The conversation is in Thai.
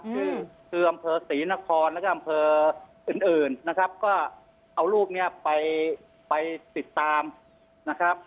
คือคืออำเภอศรีนครแล้วก็อำเภออื่นอื่นนะครับก็เอารูปเนี้ยไปไปติดตามนะครับ